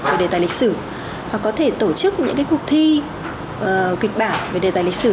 về đề tài lịch sử hoặc có thể tổ chức những cuộc thi kịch bản về đề tài lịch sử